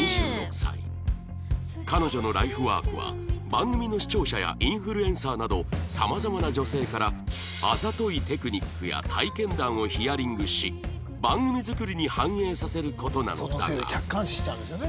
彼女のライフワークは番組の視聴者やインフルエンサーなどさまざまな女性からあざといテクニックや体験談をヒアリングし番組作りに反映させる事なのだが